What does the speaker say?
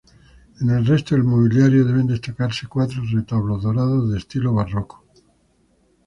En el resto del mobiliario deben destacarse cuatro retablos dorados de estilo barroco.